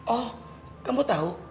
oh kamu tahu